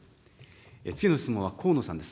次の質問は河野さんです。